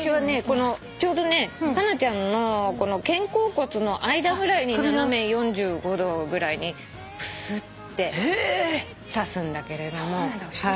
このちょうどねハナちゃんの肩甲骨の間ぐらいに斜め４５度ぐらいにぷすって刺すんだけれども。